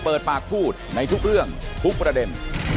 เปิดปากพูดในทุกเรื่องทุกประเด็น